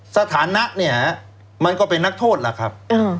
สถานะเนี่ยมันก็เป็นนักโทษล่ะครับ